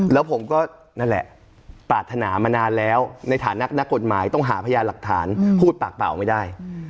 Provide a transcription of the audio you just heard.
แล้วผมก็นั่นแหละปรารถนามานานแล้วในฐานะนักกฎหมายต้องหาพยานหลักฐานพูดปากเปล่าไม่ได้